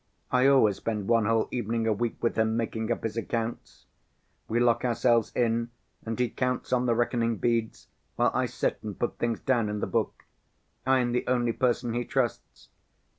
I always spend one whole evening a week with him making up his accounts. We lock ourselves in and he counts on the reckoning beads while I sit and put things down in the book. I am the only person he trusts.